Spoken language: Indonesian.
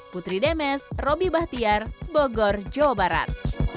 saya ais robby bahtiar bogor jawa barat